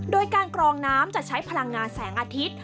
โดยการกรองน้ำจะใช้พลังงานแสงอาทิตย์